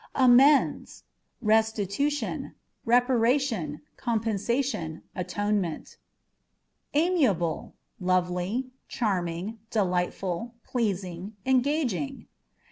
Amends â€" restitution, reparation, compensation, atonement. Amiable â€" lovely, charming, delightful, pleasing, engaging.